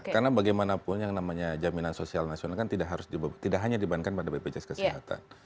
karena bagaimanapun yang namanya jaminan sosial nasional kan tidak hanya dibandingkan pada bpjs kesehatan